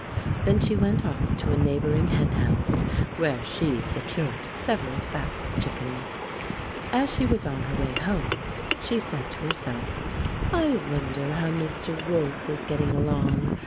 Then she went off to a neighboring hen house where she secured several fat chickens. As she was on her way home she said to her self: "I wonder how Mr. Wolf is getting along.